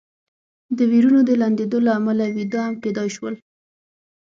د وېرونو د لوندېدو له امله وي، دا هم کېدای شول.